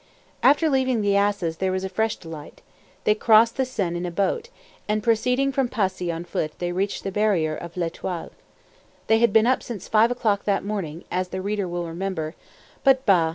After leaving the asses there was a fresh delight; they crossed the Seine in a boat, and proceeding from Passy on foot they reached the barrier of l'Étoile. They had been up since five o'clock that morning, as the reader will remember; but _bah!